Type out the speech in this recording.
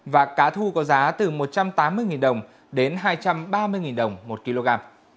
và cá thu có giá từ một trăm tám mươi đồng đến hai trăm ba mươi đồng một kg